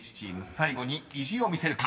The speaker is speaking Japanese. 最後に意地を見せるか］